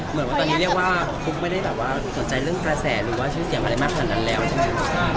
เหมือนว่าตอนนี้เรียกว่าฟุ๊กไม่ได้แบบว่าสนใจเรื่องกระแสหรือว่าชื่อเสียงอะไรมากขนาดนั้นแล้วใช่ไหม